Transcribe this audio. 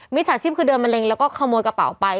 จ่าชีพคือเดินมะเร็งแล้วก็ขโมยกระเป๋าไป